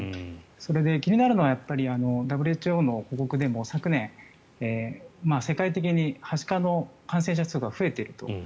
それで、気になるのはＷＨＯの報告でも昨年、世界的にはしかの感染者数が増えていると。